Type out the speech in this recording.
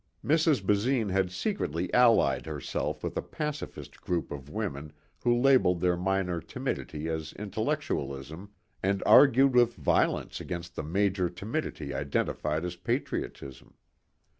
Mrs. Basine had secretly allied herself with a pacifist group of women who labelled their minor timidity as intellectualism and argued with violence against the major timidity identified as patriotism.